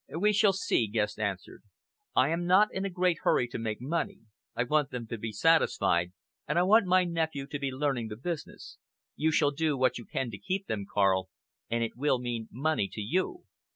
"We shall see," Guest answered. "I am not in a great hurry to make money. I want them to be satisfied, and I want my nephew to be learning the business. You shall do what you can to keep them, Karl, and it will mean money to you.